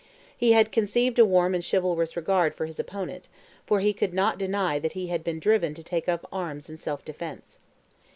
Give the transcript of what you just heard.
He had conceived a warm and chivalrous regard for his opponent; for he could not deny that he had been driven to take up arms in self defence.